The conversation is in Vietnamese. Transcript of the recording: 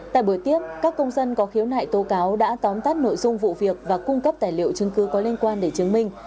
tại buổi tiếp các công dân có khiếu nại tố cáo đã tóm tắt nội dung vụ việc và cung cấp tài liệu chứng cứ có liên quan để chứng minh